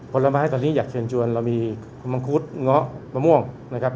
ผลไม้ตอนนี้อยากเชิญชวนเรามีมังคุดเงาะมะม่วงนะครับ